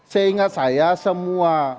seingat saya semua